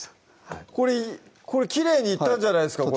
これきれいにいったんじゃないですか？